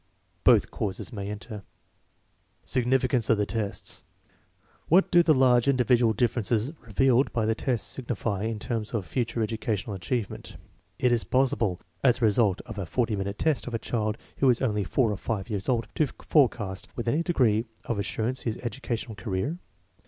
Both causes may enter. Significance of the tests. What do the large indi vidual differences revealed by the tests signify in terms of future educational achievement? Is it pos sible, as a result of a forty minute test of a child who is only four or five years old, to forecast with any degree of assurance his educational career?